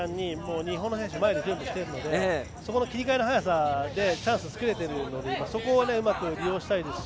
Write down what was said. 日本選手は前に全部きているのでそこの切り替えの早さでチャンスを作れているのでそこを利用したいですし